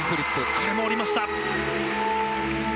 これも降りました。